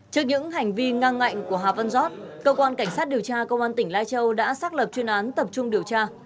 trước những hành vi ngang ngạnh của hà văn giót cơ quan cảnh sát điều tra công an tỉnh lai châu đã xác lập chuyên án tập trung điều tra